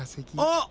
あっ！